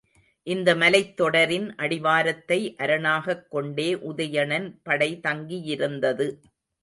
இந்த மலைத் தொடரின் அடிவாரத்தை அரணாகக் கொண்டே உதயணனின் படை தங்கியிருந்தது.